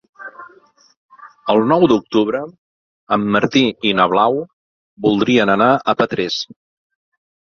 El nou d'octubre en Martí i na Blau voldrien anar a Petrés.